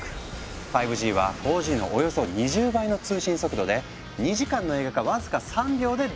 ５Ｇは４Ｇのおよそ２０倍の通信速度で２時間の映画が僅か３秒でダウンロードできちゃう。